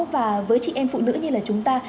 và với chị em phụ nữ như là chúng ta